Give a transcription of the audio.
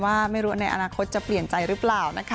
ว่าไม่รู้ในอนาคตจะเปลี่ยนใจหรือเปล่านะคะ